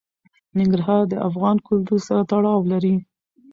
ننګرهار د افغان کلتور سره تړاو لري.